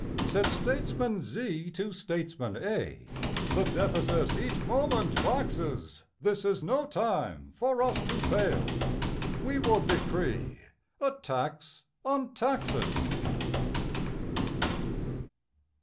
Said Statesman Z to Statesman A: The deficit each moment waxes; This is no time for us to fail We will decree a tax on taxes.